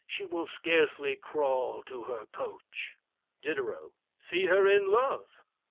she will scarcely crawl to her coach. Diderot. See her in love.